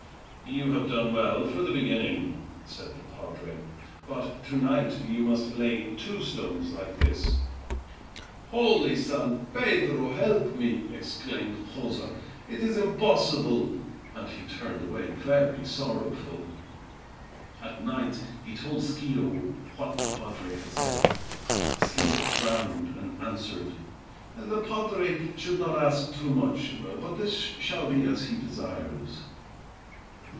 "You have done well for the beginning," said the padre, "but to night, you must lay two stones like this." "Holy San Pedro, help me!" exclaimed Joza. "It is impossible!" and he turned away, very sorrowful. At night he told Schio what the padre had said. Schio frowned, and answered, "The padre should not ask too much; but this shall be as he desires."